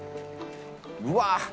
うわ！